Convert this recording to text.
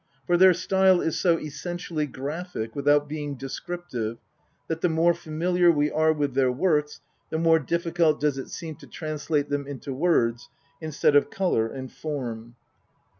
For their style is so essentially graphic without being descriptive that the more familiar we are with their works the more difficult does it seem to translate them into words instead of colour and form.